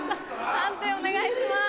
判定お願いします。